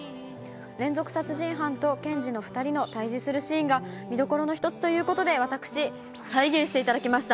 連続殺人犯と検事の２人の対じするシーンが見どころの一つということで、私、再現していただきました。